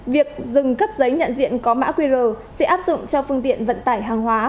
việc dừng cấp giấy nhận diện có mã qr sẽ áp dụng cho phương tiện vận tải hàng hóa